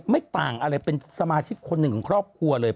ไม่ต่างอะไรเป็นสมาชิกคนหนึ่งของครอบครัวเลย